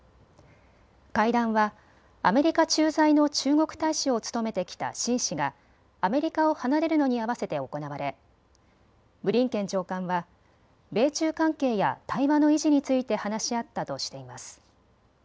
会談はアメリカ駐在の中国大使を務めてきた秦氏がアメリカを離れるのに合わせて行われ、ブリンケン長官は米中関係や対話の維持について話し合ったとしています。